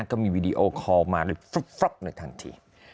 ก็มีวีดีโอคอลมาเลยทันที